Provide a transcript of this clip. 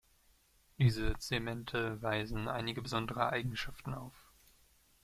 Diese Zemente weisen einige besondere Eigenschaften auf.